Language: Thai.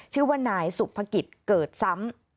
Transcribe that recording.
ชื่อว่านายสุภกิจเกิดซ้ำ